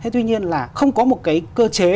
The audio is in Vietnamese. thế tuy nhiên là không có một cái cơ chế